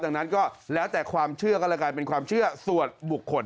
ดังนั้นก็แล้วแต่ความเชื่อก็แล้วกันเป็นความเชื่อส่วนบุคคล